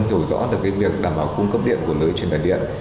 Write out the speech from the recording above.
hiểu rõ được việc đảm bảo cung cấp điện của lưới truyền tải điện